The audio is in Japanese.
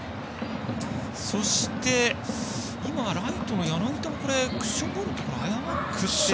そして、今、ライトの柳田もクッションボールと誤って。